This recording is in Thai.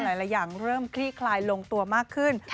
หลายอย่างเริ่มคลี่คลายลงตัวมากขึ้น